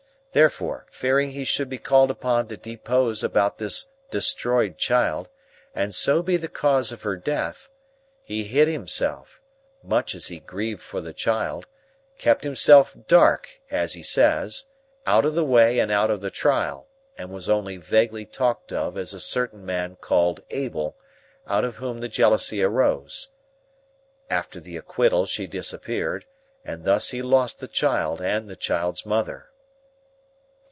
Therefore, fearing he should be called upon to depose about this destroyed child, and so be the cause of her death, he hid himself (much as he grieved for the child), kept himself dark, as he says, out of the way and out of the trial, and was only vaguely talked of as a certain man called Abel, out of whom the jealousy arose. After the acquittal she disappeared, and thus he lost the child and the child's mother."